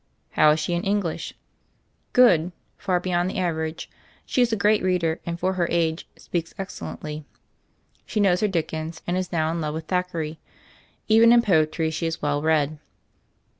"^ "How is she in English?" "Good: far beyond the average. She is a great reader, and, for her age, speaks excel lently. She knows her Dickens, and is now in love with Thackeray. Even in poetry, she is well read."